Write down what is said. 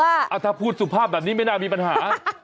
ถ้าพูดสุภาพแบบนี้ไม่น่ามีปัญหา